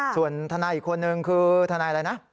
ส่วนทนายอีกคนนึงคือทนายอะไรนะ